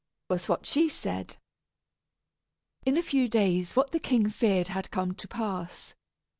was what she said. In a few days what the king feared had come to pass.